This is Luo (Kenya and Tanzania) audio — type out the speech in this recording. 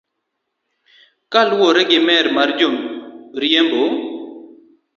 Kaluwore gi mer mar joriembo.